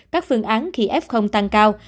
các phương án khi f tăng cao